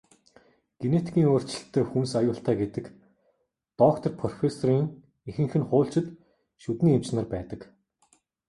Генетикийн өөрчлөлттэй хүнс аюултай гэдэг доктор, профессорын ихэнх нь хуульчид, шүдний эмч нар байдаг.